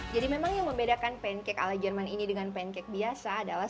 jadi memang yang membedakan pancake ala jerman ini dengan pancake biasa adalah